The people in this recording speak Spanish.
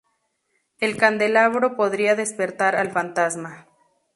El candelabro podría despertar al fantasma.